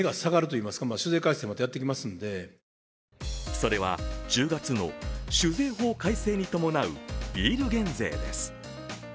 それは１０月の酒税法改正に伴うビール減税です。